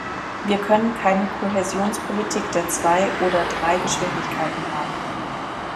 Wir können keine Kohäsionspolitik der zwei oder drei Geschwindigkeiten haben.